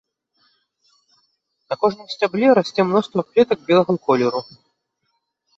На кожным сцябле расце мноства кветак белага колеру.